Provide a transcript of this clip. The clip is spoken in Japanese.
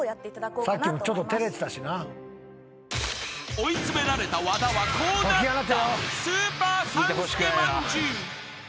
［追い詰められた和田はこうなった］